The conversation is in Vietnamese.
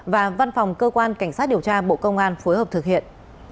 và văn phòng cơ quan cảnh sát điều tra bộ công an phối hợp thực hiện